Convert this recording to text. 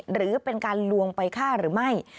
หรือเป็นการลวงไปฆ่าหรือไม่